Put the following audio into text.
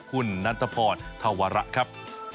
คุณนันทพรธวระครับ